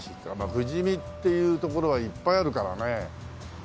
富士見っていう所はいっぱいあるからね。